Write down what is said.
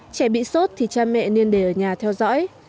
trẻ bị sốt thì cha mẹ nên để ở nhà theo dõi